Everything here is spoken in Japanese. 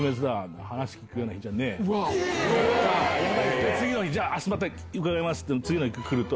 ワオ！じゃあ明日また伺います！って次の日来ると。